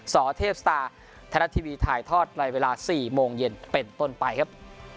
สเทพสตาร์ไทยรัฐทีวีถ่ายทอดในเวลา๔โมงเย็นเป็นต้นไปครับ